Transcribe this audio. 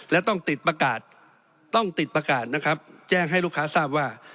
และต้องติดประกาศต้องติดประกาศนะครับแจ้งให้ลูกค้าทราบว่า